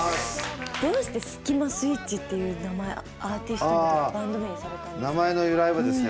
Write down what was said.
どうしてスキマスイッチっていう名前アーティスト名とかバンド名にされたんですか？